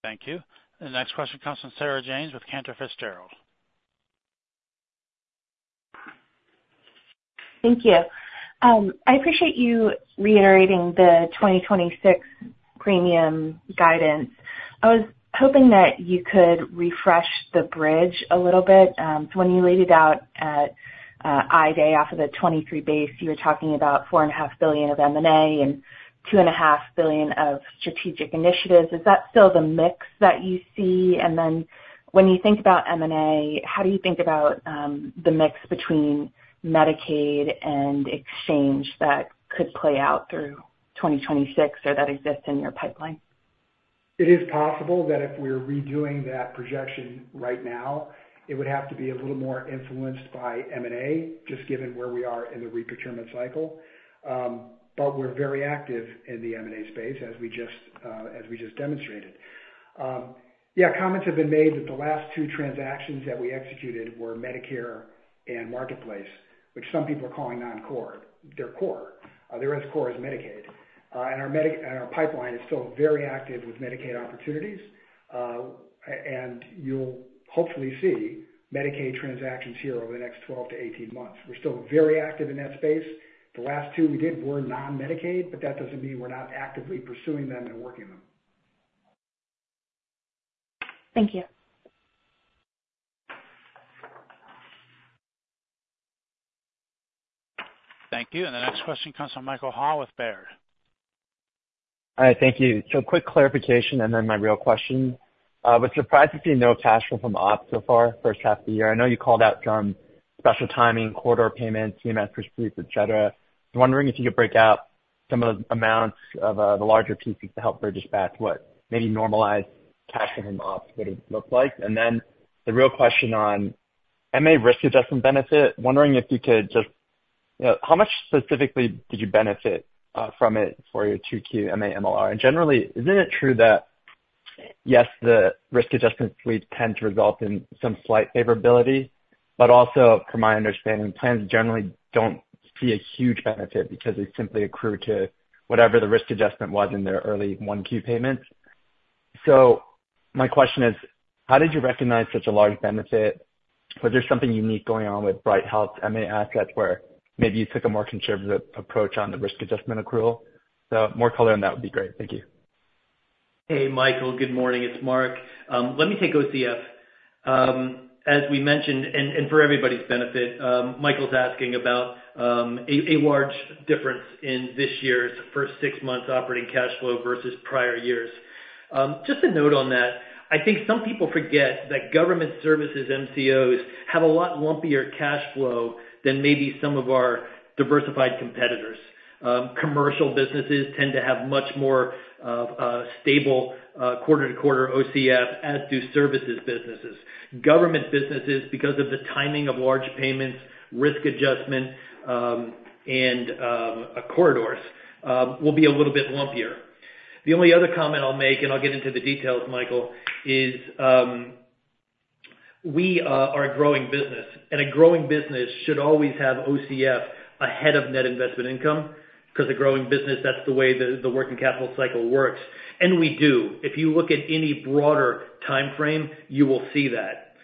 Thank you. And the next question comes from Sarah James with Cantor Fitzgerald. Thank you. I appreciate you reiterating the 2026 premium guidance. I was hoping that you could refresh the bridge a little bit. So when you laid it out at I-Day off of the 2023 base, you were talking about $4.5 billion of M&A and $2.5 billion of strategic initiatives. Is that still the mix that you see? And then when you think about M&A, how do you think about the mix between Medicaid and exchange that could play out through 2026 or that exists in your pipeline? It is possible that if we're redoing that projection right now, it would have to be a little more influenced by M&A just given where we are in the reprocurement cycle. But we're very active in the M&A space, as we just demonstrated. Yeah, comments have been made that the last two transactions that we executed were Medicare and Marketplace, which some people are calling non-core. They're core. They're as core as Medicaid. And our pipeline is still very active with Medicaid opportunities. And you'll hopefully see Medicaid transactions here over the next 12-18 months. We're still very active in that space. The last two we did were non-Medicaid, but that doesn't mean we're not actively pursuing them and working them. Thank you. Thank you. And the next question comes from Michael Ha with Baird. Hi. Thank you. So quick clarification and then my real question. I was surprised to see no cash flow from ops so far first half of the year. I know you called out some special timing, corridor payments, CMS receipts, etc. I was wondering if you could break out some of the amounts of the larger pieces to help bridge back what maybe normalized cash flow from ops would have looked like. And then the real question on MA risk adjustment benefit, wondering if you could just how much specifically did you benefit from it for your 2Q MA MLR? And generally, isn't it true that, yes, the risk adjustment sweeps tend to result in some slight favorability, but also, from my understanding, plans generally don't see a huge benefit because they simply accrue to whatever the risk adjustment was in their early Q1 payments? So my question is, how did you recognize such a large benefit? Was there something unique going on with Bright Health's MA assets where maybe you took a more conservative approach on the risk adjustment accrual? So more color on that would be great. Thank you. Hey, Michael. Good morning. It's Mark. Let me take OCF. As we mentioned, and for everybody's benefit, Michael's asking about a large difference in this year's first six months' operating cash flow versus prior years. Just a note on that. I think some people forget that government services MCOs have a lot lumpier cash flow than maybe some of our diversified competitors. Commercial businesses tend to have much more stable quarter-to-quarter OCF, as do services businesses. Government businesses, because of the timing of large payments, risk adjustment, and corridors, will be a little bit lumpier. The only other comment I'll make, and I'll get into the details, Michael, is we are a growing business. A growing business should always have OCF ahead of net investment income because a growing business, that's the way the working capital cycle works. And we do. If you look at any broader timeframe, you will see that.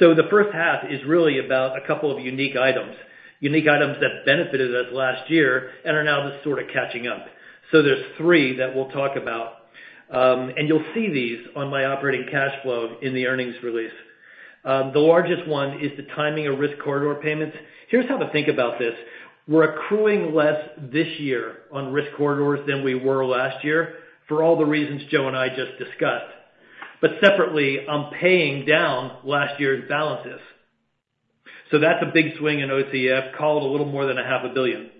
The first half is really about a couple of unique items, unique items that benefited us last year and are now just sort of catching up. There's three that we'll talk about. You'll see these on my operating cash flow in the earnings release. The largest one is the timing of risk corridor payments. Here's how to think about this. We're accruing less this year on risk corridors than we were last year for all the reasons Joe and I just discussed. Separately, I'm paying down last year's balances. That's a big swing in OCF, called a little more than $500 million.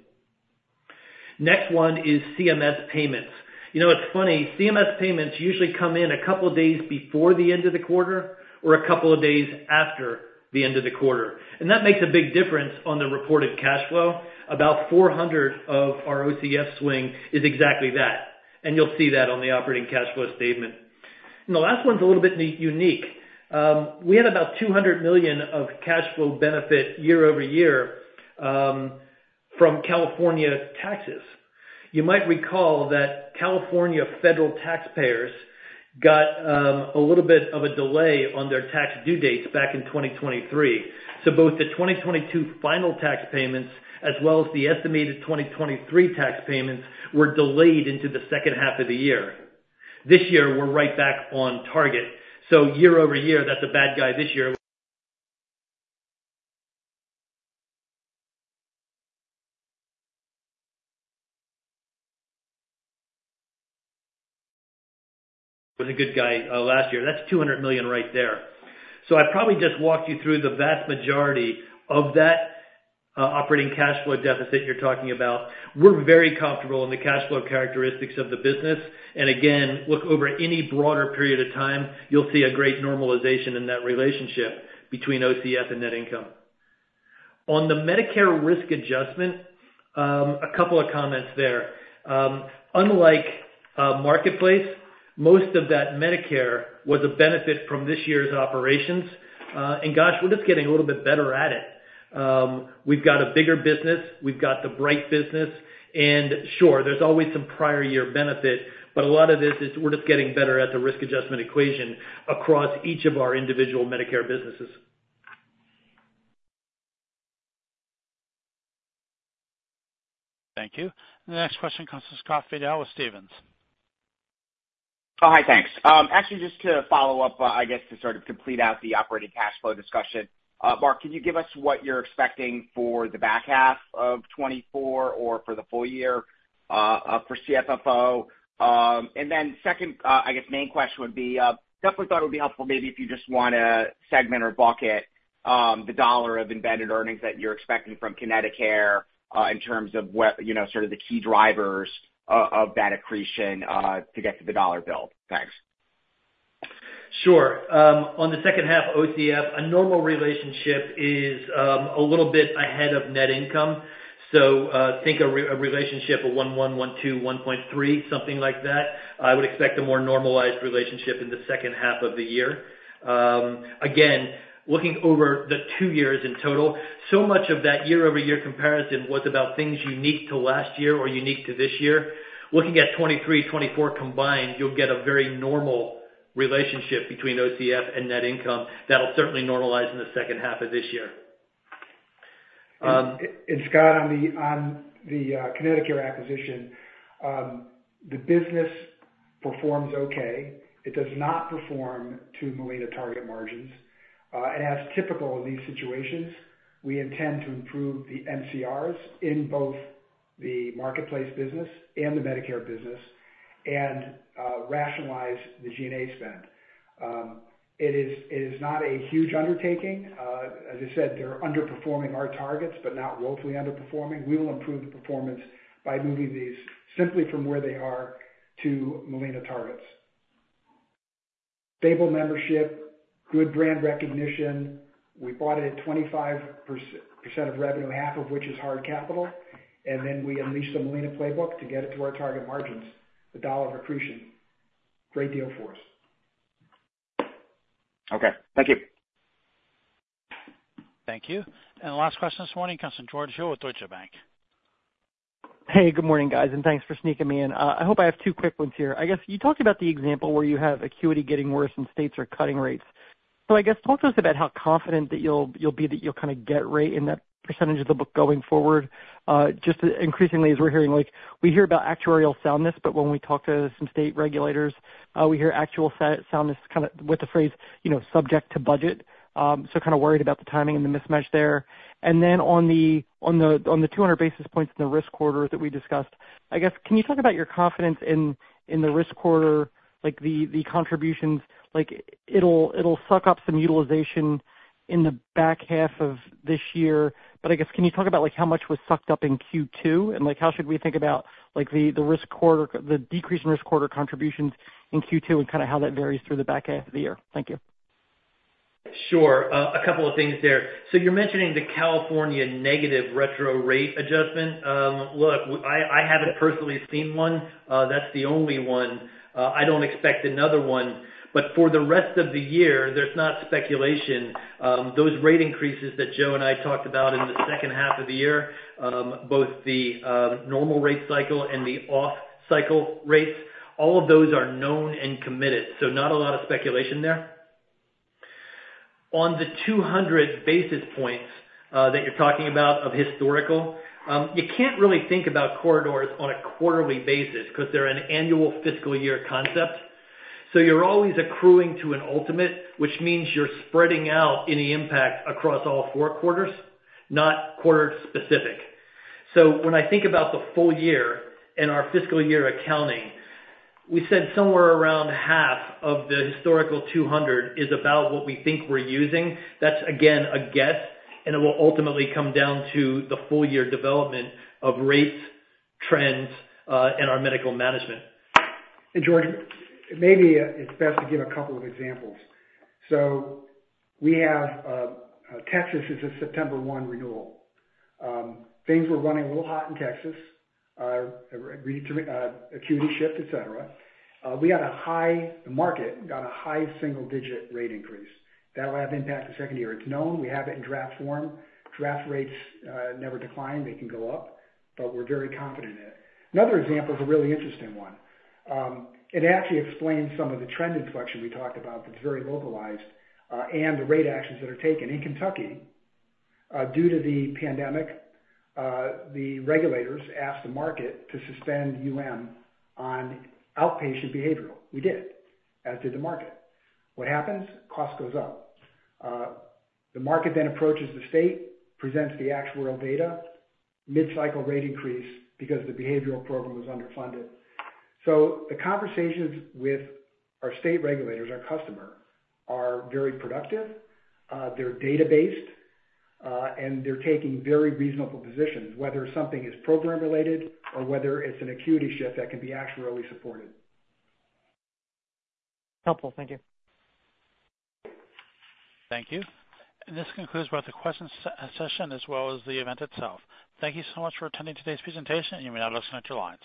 Next one is CMS payments. You know, it's funny. CMS payments usually come in a couple of days before the end of the quarter or a couple of days after the end of the quarter. That makes a big difference on the reported cash flow. About $400 million of our OCF swing is exactly that. And you'll see that on the operating cash flow statement. The last one's a little bit unique. We had about $200 million of cash flow benefit year-over-year from California taxes. You might recall that California federal taxpayers got a little bit of a delay on their tax due dates back in 2023. So both the 2022 final tax payments as well as the estimated 2023 tax payments were delayed into the second half of the year. This year, we're right back on target. So year-over-year, that's a bad guy this year. Was a good guy last year. That's $200 million right there. So I probably just walked you through the vast majority of that operating cash flow deficit you're talking about. We're very comfortable in the cash flow characteristics of the business. And again, look over any broader period of time, you'll see a great normalization in that relationship between OCF and net income. On the Medicare risk adjustment, a couple of comments there. Unlike Marketplace, most of that Medicare was a benefit from this year's operations. And gosh, we're just getting a little bit better at it. We've got a bigger business. We've got the Bright business. And sure, there's always some prior year benefit, but a lot of this is we're just getting better at the risk adjustment equation across each of our individual Medicare businesses. Thank you. And the next question comes from Scott Fidel with Stephens. Oh, hi, thanks. Actually, just to follow up, I guess, to sort of complete out the operating cash flow discussion. Mark, can you give us what you're expecting for the back half of 2024 or for the full year for CFFO? And then second, I guess, main question would be definitely thought it would be helpful maybe if you just want to segment or bucket the dollar of embedded earnings that you're expecting from Connecticut in terms of sort of the key drivers of that accretion to get to the dollar bill. Thanks. Sure. On the second half OCF, a normal relationship is a little bit ahead of net income. So think a relationship of 1.1, 1.2, 1.3, something like that. I would expect a more normalized relationship in the second half of the year. Again, looking over the two years in total, so much of that year-over-year comparison was about things unique to last year or unique to this year. Looking at 2023, 2024 combined, you'll get a very normal relationship between OCF and net income that'll certainly normalize in the second half of this year. And Scott, on the Connecticut acquisition, the business performs okay. It does not perform to Molina target margins. And as typical in these situations, we intend to improve the MCRs in both the Marketplace business and the Medicare business and rationalize the G&A spend. It is not a huge undertaking. As I said, they're underperforming our targets, but not woefully underperforming. We will improve the performance by moving these simply from where they are to Molina targets. Stable membership, good brand recognition. We bought it at 25% of revenue, half of which is hard capital. And then we unleashed the Molina playbook to get it to our target margins, the dollar of accretion. Great deal for us. Okay. Thank you. Thank you. And the last question this morning comes from George Hill with Deutsche Bank. Hey, good morning, guys. And thanks for sneaking me in. I hope I have two quick ones here. I guess you talked about the example where you have acuity getting worse and states are cutting rates. So I guess talk to us about how confident that you'll be that you'll kind of get right in that percentage of the book going forward. Just increasingly, as we're hearing, we hear about actuarial soundness, but when we talk to some state regulators, we hear actuarial soundness kind of with the phrase subject to budget. So kind of worried about the timing and the mismatch there. And then on the 200 basis points in the risk corridor that we discussed, I guess, can you talk about your confidence in the risk corridor, the contributions? It'll suck up some utilization in the back half of this year. But I guess, can you talk about how much was sucked up in Q2? How should we think about the decrease in risk adjustment contributions in Q2 and kind of how that varies through the back half of the year? Thank you. Sure. A couple of things there. So you're mentioning the California negative retro rate adjustment. Look, I haven't personally seen one. That's the only one. I don't expect another one. But for the rest of the year, there's not speculation. Those rate increases that Joe and I talked about in the second half of the year, both the normal rate cycle and the off-cycle rates, all of those are known and committed. So not a lot of speculation there. On the 200 basis points that you're talking about of historical, you can't really think about risk corridors on a quarterly basis because they're an annual fiscal year concept. So you're always accruing to an ultimate, which means you're spreading out any impact across all four quarters, not quarter-specific. So when I think about the full year and our fiscal year accounting, we said somewhere around half of the historical 200 is about what we think we're using. That's, again, a guess. And it will ultimately come down to the full year development of rates, trends, and our medical management. And George, maybe it's best to give a couple of examples. So we have Texas is a September 1 renewal. Things were running a little hot in Texas, acuity shift, etc. We got a high market, got a high single-digit rate increase. That'll have impact the second year. It's known. We have it in draft form. Draft rates never decline. They can go up. But we're very confident in it. Another example is a really interesting one. It actually explains some of the trend inflection we talked about that's very localized and the rate actions that are taken. In Kentucky, due to the pandemic, the regulators asked the market to suspend on outpatient behavioral. We did, as did the market. What happens? Cost goes up. The market then approaches the state, presents the actual data, mid-cycle rate increase because the behavioral program was underfunded. So the conversations with our state regulators, our customer, are very productive. They're data-based, and they're taking very reasonable positions, whether something is program-related or whether it's an acuity shift that can be actually supported. Helpful. Thank you. Thank you. And this concludes both the question session as well as the event itself. Thank you so much for attending today's presentation, and you may now listen at your lines.